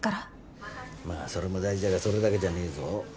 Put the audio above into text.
まあそれも大事だがそれだけじゃねえぞ。